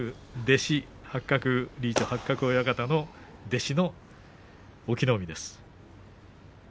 八角親方の弟子の隠岐の海です。